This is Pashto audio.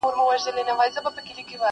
زوی یې وویل غم مه کوه بابکه!.